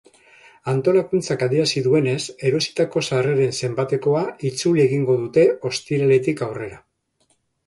Antolakuntzak adierazi duenez, erositako sarreren zenbatekoa itzuli egingo dute, ostiraletik aurrera.